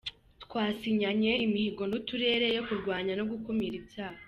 Twasinyanye imihigo n’uturere yo kurwanya no gukumira ibyaha.